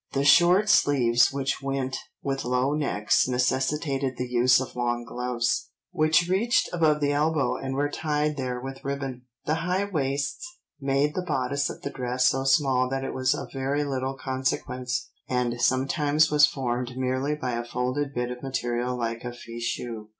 The short sleeves which went with low necks necessitated the use of long gloves, which reached above the elbow and were tied there with ribbon. The high waists made the bodice of the dress so small that it was of very little consequence, and sometimes was formed merely by a folded bit of material like a fichu.